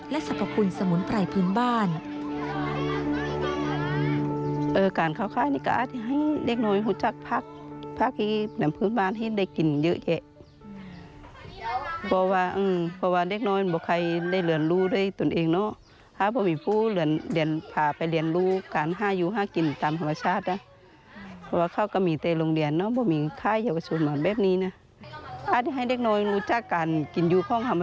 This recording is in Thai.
และสรรพคุณสมบูรณ์ไปร่พื้นบ้าน